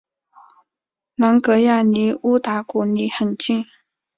朗格亚离乌达古里很近。